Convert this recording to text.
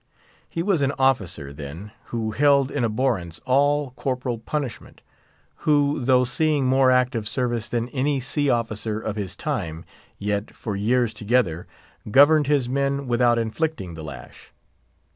He was an officer, then, who held in abhorrence all corporal punishment; who, though seeing more active service than any sea officer of his time, yet, for years together, governed his men without inflicting the lash.